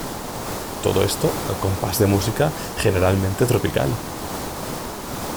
Todo esto al compás de música generalmente tropical.